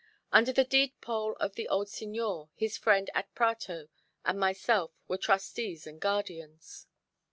Under the deed poll of the old Signor, his friend at Prato and myself were trustees and guardians.